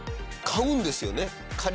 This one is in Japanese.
買うんですよね？